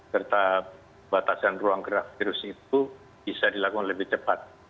serta batasan ruang gerak virus itu bisa dilakukan lebih cepat